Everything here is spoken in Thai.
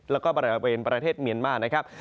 แล้วก็บริเวณประเทศเมียนมานะครับ